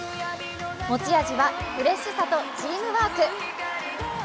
持ち味はフレッシュさとチームワーク。